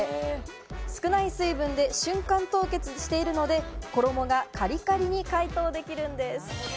少ない水分で瞬間凍結しているので、衣がカリカリに解凍できるんです。